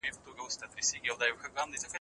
شايد سبا هوا ډېره سړه او توفاني وي.